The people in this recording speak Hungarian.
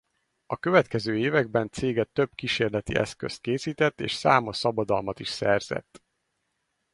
A következő években cége több kísérleti eszközt készített és számos szabadalmat is szerzett.